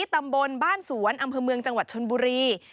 ตำบลบ้านสวนอำเภอเมืองจังหวัดชนบุรี